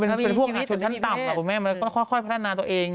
มันเป็นพวกชนชนชั้นต่ำมันค่อยพัฒนาตัวเอง